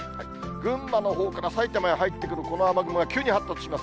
群馬のほうから埼玉へ入ってくるこの雨雲が急に発達します。